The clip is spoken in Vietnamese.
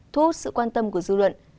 thu hút sự quan tâm của du luận